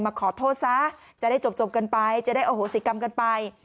ขอโทษซะจะได้จบกันไปจะได้อโหสิกรรมกันไป